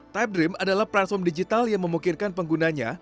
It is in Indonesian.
type dream adalah platform digital yang memungkirkan penggunanya